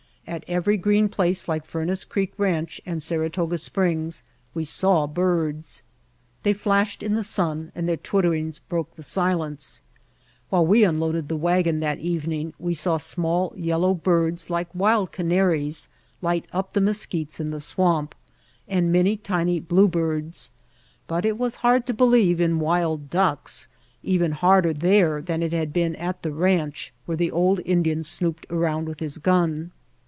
At every green place like Furnace Creek Ranch and Saratoga Springs, we saw birds. They flashed in the sun and their twitterings broke the silence. The Dry Camp While we unloaded the wagon that evening we saw small yellow birds like wild canaries light on the mesquites in the swamp, and many tiny blue birds; but it was hard to believe in wild ducks, even harder there than it had been at the ranch where the old Indian snooped around with his gun.